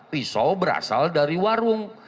pisau berasal dari warung